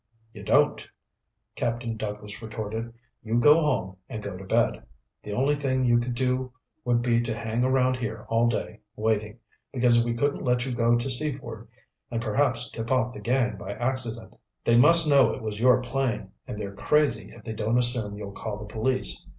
"You don't," Captain Douglas retorted. "You go home and go to bed. The only thing you could do would be to hang around here all day waiting, because we couldn't let you go to Seaford and perhaps tip off the gang by accident. They must know it was your plane, and they're crazy if they don't assume you'll call the police.